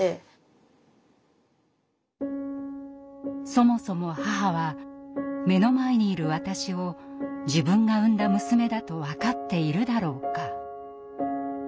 「そもそも母は目の前にいる私を自分が産んだ娘だと分かっているだろうか？」。